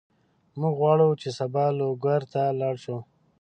موږ غواړو چې سبا لوګر ته لاړ شو.